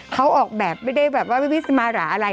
เขาออกแบบไม่ได้แบบว่าวิสมาระอะไร